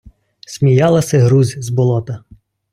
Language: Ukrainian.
сміяласи грузь з болота